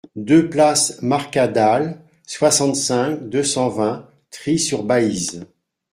deux place Marcadale, soixante-cinq, deux cent vingt, Trie-sur-Baïse